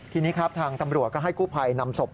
ทีนี้ครับทางตำรวจก็ให้กู้ภัยนำศพ